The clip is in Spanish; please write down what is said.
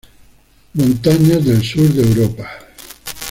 Montañas del S de Europa.